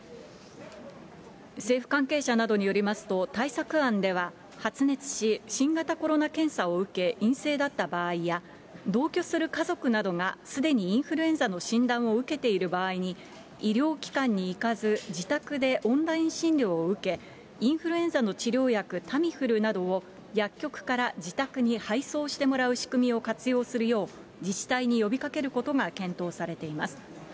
政府関係者などによりますと、対策案では、発熱し、新型コロナ検査を受け、陰性だった場合や、同居する家族などがすでにインフルエンザの診断を受けている場合に、医療機関に行かず、自宅でオンライン診療を受け、インフルエンザの治療薬、タミフルなどを薬局から自宅に配送してもらう仕組みを活用するよう、自治体に呼びかけることが検討されています。